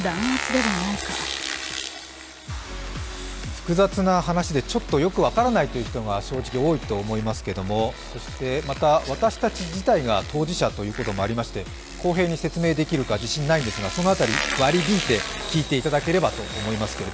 複雑な話でちょっとよく分からないという人が正直多いと思いますけれども、そしてまた私たち自体が当事者ということもありまして公平に説明できるか自信ないんですがその辺り割り引いて聞いていただければと思います。